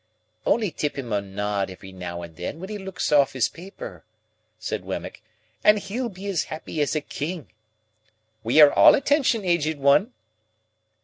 "Only tip him a nod every now and then when he looks off his paper," said Wemmick, "and he'll be as happy as a king. We are all attention, Aged One."